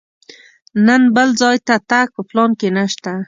نن بل ځای ته تګ په پلان کې نه شته.